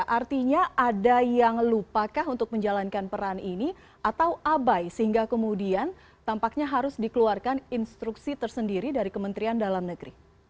artinya ada yang lupakah untuk menjalankan peran ini atau abai sehingga kemudian tampaknya harus dikeluarkan instruksi tersendiri dari kementerian dalam negeri